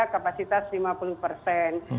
kapasitas lima puluh persen